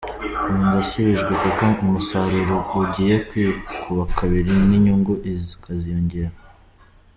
Ubu ndasubijwe kuko umusaruro ugiye kwikuba kabiri n’inyungu ikaziyongera”.